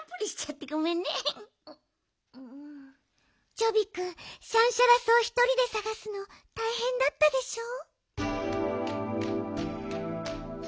チョビくんシャンシャラ草ひとりでさがすのたいへんだったでしょう？